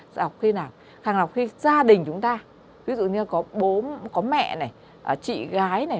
sàng lọc khi nào sàng lọc khi gia đình chúng ta ví dụ như có bố có mẹ này chị gái này